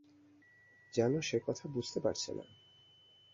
যেন সে কথা বুঝতে পারছে না।